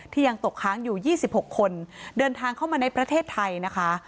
ยังตกค้างอยู่๒๖คนเดินทางเข้ามาในประเทศไทยนะคะ